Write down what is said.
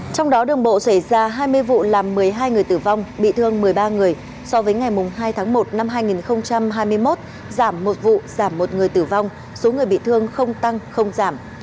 trong đó đường bộ xảy ra hai mươi vụ làm một mươi hai người tử vong bị thương một mươi ba người so với ngày hai tháng một năm hai nghìn hai mươi một giảm một vụ giảm một người tử vong số người bị thương không tăng không giảm